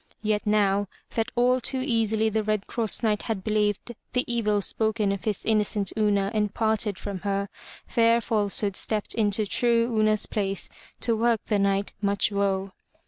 Yet now, that all too easily the Red Cross Knight had believed the evil spoken of his innocent Una and parted from her, fair false hood stepped into true Una^s place to work the Knight much woe.